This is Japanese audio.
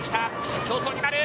競争になる。